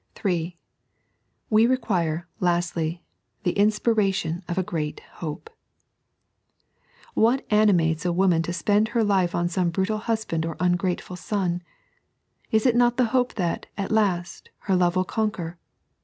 (3) We require, lastly, tlie inspiration of a great Hope. What animates a woman to spend her life on some brutal husband or ungrateful son 1 Is it not the hope that, at last, her love will oonquer